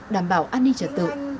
đảm bảo an ninh trả tự